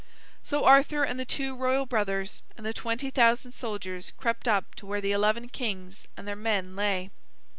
So Arthur and the two royal brothers and the twenty thousand soldiers crept up to where the eleven kings and their men lay.